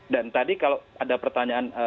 dan tadi kalau ada pertanyaan